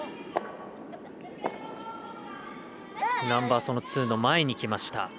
ナンバーツーの前にきました。